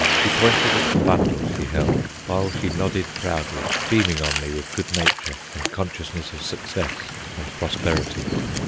(He pointed at the bundle she held, while she nodded proudly, beaming on me with good nature and consciousness of success and prosperity.)